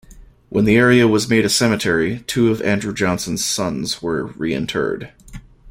When the area was made a cemetery, two of Andrew Johnson's sons were reinterred.